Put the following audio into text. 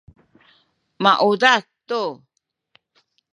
maudad tu